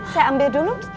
saya ambil dulu